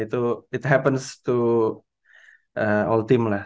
itu terjadi pada tim lama lah